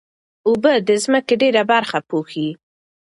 اوبه د ځمکې ډېره برخه پوښي.